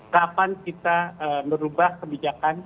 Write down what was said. kapan kita merubah kebijakan